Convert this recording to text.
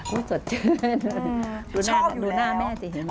โอ้โฮสดเจนครับฉอบอยู่แล้ว